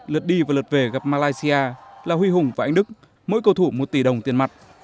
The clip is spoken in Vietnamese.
lượt đi và lượt về gặp malaysia là huy hùng và anh đức mỗi cầu thủ một tỷ đồng tiền mặt